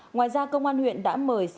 ngoài ra công an huyện đã mời